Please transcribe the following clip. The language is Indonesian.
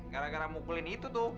gara gara mukulin itu tuh